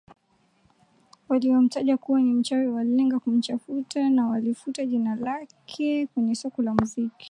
waliomtaja kuwa ni mchawi walilenga kumchafua na kulifuta jina lake kwenye soko la muziki